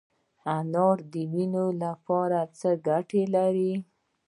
انار د وینې لپاره څه ګټه لري؟